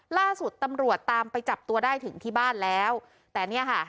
ล่าสุดตำรวจตามไปจับตัวได้ถึงที่บ้านแล้วแต่เนี่ยค่ะ